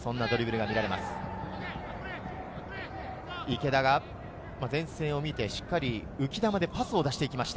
池田が前線を見てしっかりと浮き球でパスを出していきました。